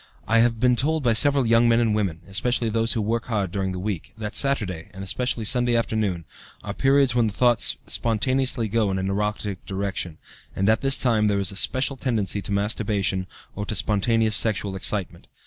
I have been told by several young men and women, especially those who work hard during the week, that Saturday, and especially Sunday afternoon, are periods when the thoughts spontaneously go in an erotic direction, and at this time there is a special tendency to masturbation or to spontaneous sexual excitement.